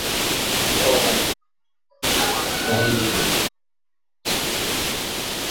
Kondoo na mbuzi wanaweza kuathiriwa lakini hili ni nadra unapolinganisha na ngombe